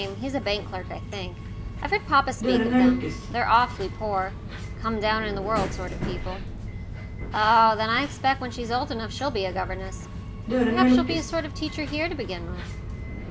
He's a bank clerk, I think. I've heard papa speak of them. They're awfully poor come down in the world sort of people." "Oh, then, I expect when she's old enough she'll be a governess perhaps she'll be a sort of teacher here to begin with."